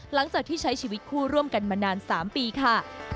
หลังจากที่ใช้ชีวิตคู่ร่วมกันมานาน๓ปีค่ะ